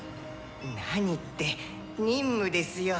何って任務ですよ。